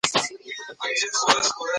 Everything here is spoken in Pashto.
ېاالله ته رحم وکړې پرموګ باندې